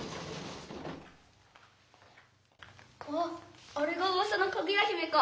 「あっあれがうわさのかぐや姫か」。